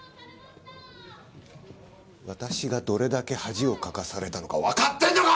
私がどれだけ恥をかかされたのかわかってるのか！